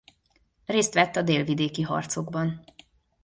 Részt vett a délvidéki harcokban.